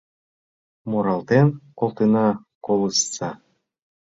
Муралтен колтена — колыштса